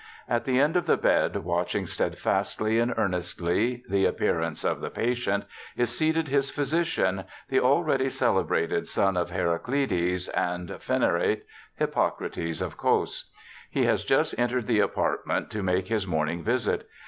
At the head of the bed, watching steadfastly and earnestly the appearance of the patient, is seated his physician, the already celebrated son of Heraclides and Phenarete, Hippo crates of Cos. He has just entered the apartment, to make his morning visit.